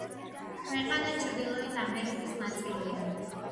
ქვეყანა ჩრდილოეთ ამერიკის ნაწილია.